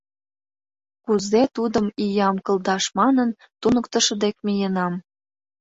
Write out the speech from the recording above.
Кузе тудым, иям, кылдаш манын, туныктышо дек миенам.